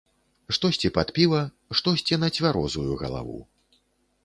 Штосьці пад піва, штосьці на цвярозую галаву.